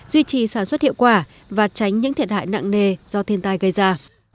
duy trì sản xuất hiệu quả và tránh những thiệt hại nặng nề do thiên tai gây ra